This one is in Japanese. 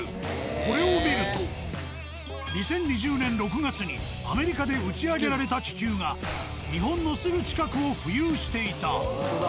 これを見ると２０２０年６月にアメリカで打ち上げられた気球が日本のすぐ近くを浮遊していた。